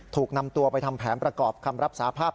ถูกนำตัวไปทำแผนประกอบคำรับสาภาพ